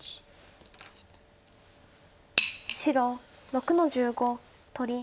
白６の十五取り。